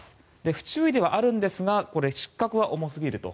不注意ではあるんですが失格は重すぎると。